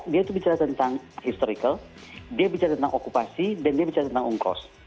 dia itu bicara tentang historical dia bicara tentang okupasi dan dia bicara tentang ungkos